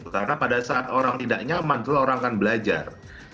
karena pada saat orang tidak nyaman orang akan belajar